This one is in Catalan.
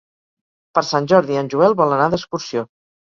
Per Sant Jordi en Joel vol anar d'excursió.